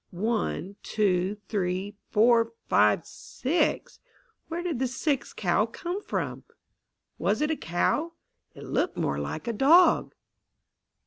One, two, three, four, five, six! Where did the sixth cow come from? Was it a cow? It looked more like a dog.